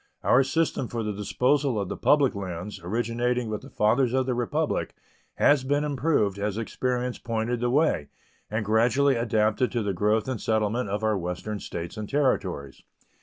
Our system for the disposal of the public lands, originating with the fathers of the Republic, has been improved as experience pointed the way, and gradually adapted to the growth and settlement of our Western States and Territories.